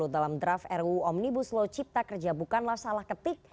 dalam draft ruu omnibus law cipta kerja bukanlah salah ketik